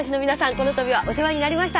この度はお世話になりました。